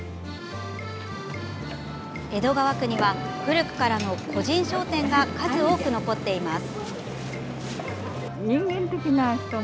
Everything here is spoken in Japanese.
江戸川区には、古くからの個人商店が数多く残っています。